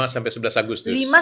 lima sampai sebelas agustus